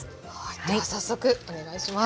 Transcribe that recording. では早速お願いします。